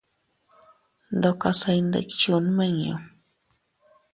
Ndokase iyndikchuu nmiñu.